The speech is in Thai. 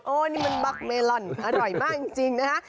นี่มันบล็อกเมลอนอร่อยมากจริงนะฮะ